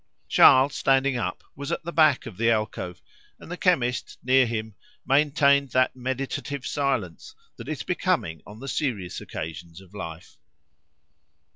Charles, standing up, was at the back of the alcove, and the chemist, near him, maintained that meditative silence that is becoming on the serious occasions of life.